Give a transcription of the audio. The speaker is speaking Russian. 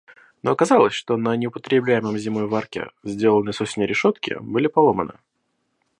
Но оказалось, что на неупотребляемом зимой варке сделанные с осени решетки были поломаны.